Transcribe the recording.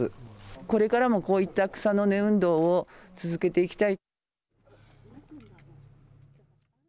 これからもこういった草の根運動を続けていきたい。